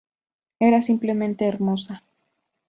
Era simplemente hermosa.